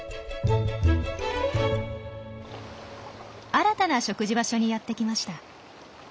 新たな食事場所にやって来ました。